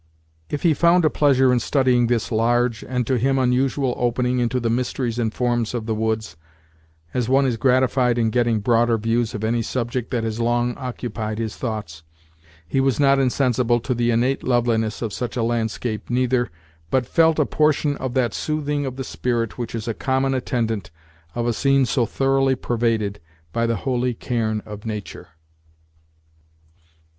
If he found a pleasure in studying this large, and to him unusual opening into the mysteries and forms of the woods, as one is gratified in getting broader views of any subject that has long occupied his thoughts, he was not insensible to the innate loveliness of such a landscape neither, but felt a portion of that soothing of the spirit which is a common attendant of a scene so thoroughly pervaded by the holy cairn of nature.